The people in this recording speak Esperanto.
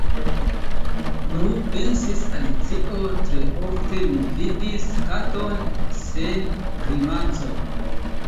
"Nu," pensis Alicio, "tre ofte mi vidis katon sen grimaco.